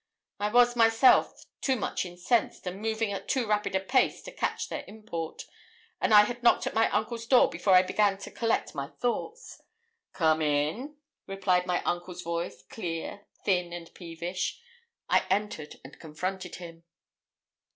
I was myself, however, too much incensed, and moving at too rapid a pace, to catch their import; and I had knocked at my uncle's door before I began to collect my thoughts. 'Come in,' replied my uncle's voice, clear, thin, and peevish. I entered and confronted him.